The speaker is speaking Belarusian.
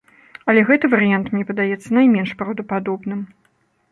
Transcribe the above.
Але гэты варыянт мне падаецца найменш праўдападобным.